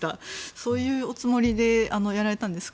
そういうおつもりでやられたんですか？